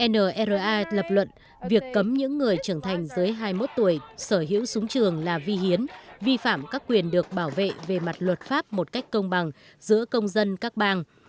nra lập luận việc cấm những người trưởng thành dưới hai mươi một tuổi sở hữu súng trường là vi hiến vi phạm các quyền được bảo vệ về mặt luật pháp một cách công bằng giữa công dân các bang